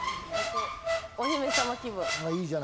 お姫様気分。